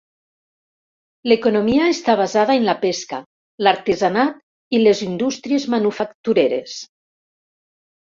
L'economia està basada en la pesca, l'artesanat i les indústries manufactureres.